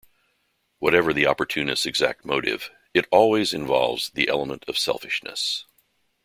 Whatever the opportunist's exact motive, it always involves the element of selfishness.